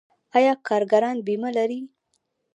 آیا کارګران بیمه لري؟